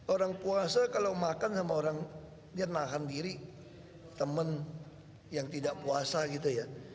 orang puasa kalau makan sama orang dia nahan diri teman yang tidak puasa gitu ya